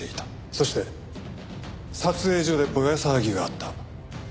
そして撮影所でぼや騒ぎがあったその日も。